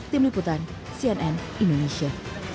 tim liputan cnn indonesia